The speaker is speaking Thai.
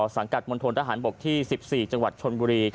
สังกัดมณฑนทหารบกที่๑๔จังหวัดชนบุรี